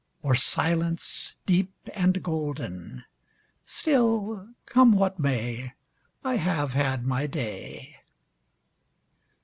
Or silence deep and golden — Still, come what may, I have had my day